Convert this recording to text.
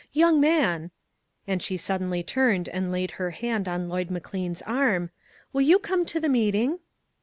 Young man," and she suddenly turned and laid her hand on Lloyd McLean's arm, "will you come to the meeting?"